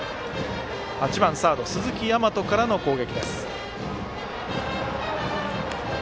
８番サード鈴木大和からの攻撃。